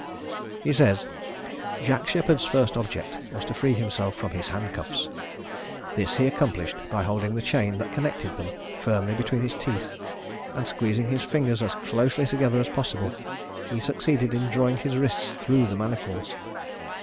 He says, "Jack Sheppard's first object was to free himself from his handcuffs. This he accomplished by holding the chain that connected them firmly between his teeth, and, squeezing his fingers as closely together as possible, he succeeded in drawing his wrists through the manacles.